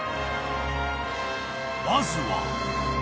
［まずは］